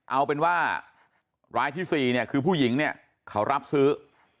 เอาเป็นว่ารายที่๔คือผู้หญิงเขารับซื้อ